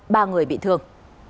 ba người bị thương